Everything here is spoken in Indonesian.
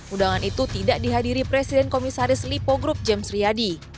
undangan itu tidak dihadiri presiden komisaris lipo group james riyadi